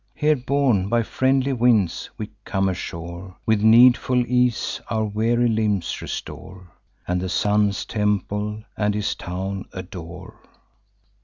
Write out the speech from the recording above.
Here, borne by friendly winds, we come ashore, With needful ease our weary limbs restore, And the Sun's temple and his town adore.